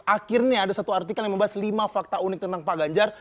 akhirnya ada satu artikel yang membahas lima fakta unik tentang pak ganjar